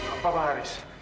apa pak haris